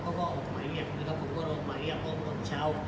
แล้วก็ออกมาเรียกนะครับผมก็ออกมาเรียกออกมาเช้า